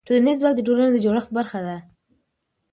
ټولنیز ځواک د ټولنې د جوړښت برخه ده.